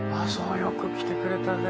よく来てくれたね。